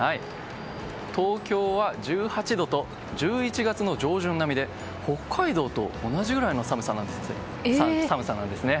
東京は１８度と１１月の上旬並みで北海道と同じぐらいの寒さなんですね。